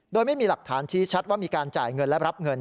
โดยไม่มีหลักฐานชี้ชัดว่ามีการจ่ายเงินและรับเงิน